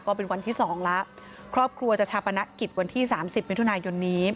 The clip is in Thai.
เป็นวันที่สองแล้วครอบครัวจะชาปนกิจวันที่สามสิบมิถุนายนนี้